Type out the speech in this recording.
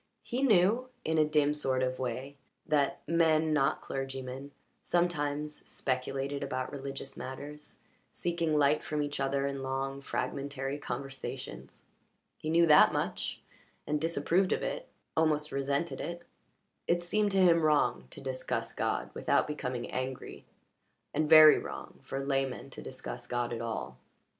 He knew, in a dim sort of way, that men not clergymen sometimes speculated about religious matters, seeking light from each other in long, fragmentary conversations. He knew that much, and disapproved of it almost resented it. It seemed to him wrong to discuss God without becoming angry, and very wrong for laymen to discuss God at all.